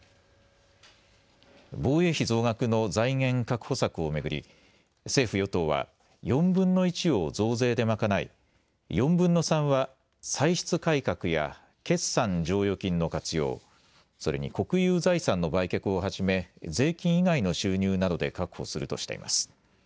防衛費増額の財源確保策を巡り政府与党は４分の１を増税で賄い４分の３は歳出改革や決算剰余金の活用、それに国有財産の売却をはじめ税金以外の収入などで確保するとしています。